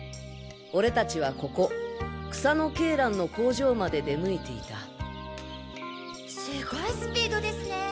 俺たちはここ草野鶏卵の工場まで出向いていたすごいスピードですね。